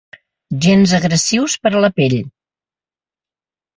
Gens agressius per a la pell.